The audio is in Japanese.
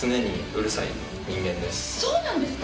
そうなんですか？